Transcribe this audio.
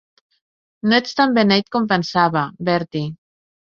No ets tan beneit com pensava, Bertie.